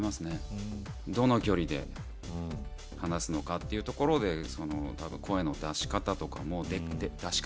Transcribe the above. どの距離で話すのかっていうところで声の出し方とかも出し方？